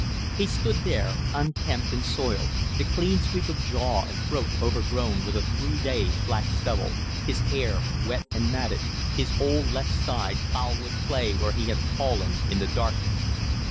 He stood there unkempt and soiled, the clean sweep of jaw and throat overgrown with a three days' black stubble, his hair wet and matted, his whole left side foul with clay where he had fallen in the darkness.